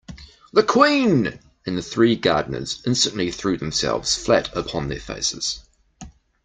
The Queen!’ and the three gardeners instantly threw themselves flat upon their faces.